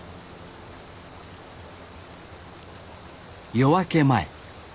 夜明け前